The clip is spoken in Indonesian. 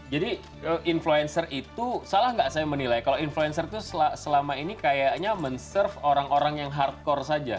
jadi influencer itu salah nggak saya menilai kalau influencer itu selama ini kayaknya menserv orang orang yang hardcore saja